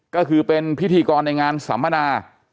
ก็คือเป็นพิธีกรในงานสัมมนา